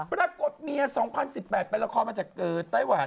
ประกอบเมีย๒๐๑๘เป็นละครมาจากไต้หวัน